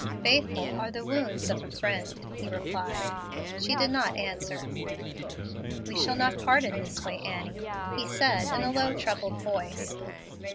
"Faithful are the wounds of a friend," he replied. She did not answer. "We shall not part in this way, Annie," he said, in a low, troubled voice.